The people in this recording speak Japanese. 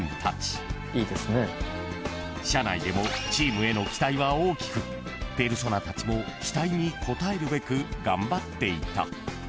［社内でもチームへの期待は大きくペルソナたちも期待に応えるべく頑張っていた］